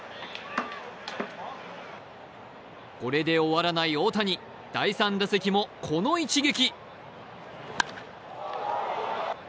これで終わらない大谷第３打席もこの一撃。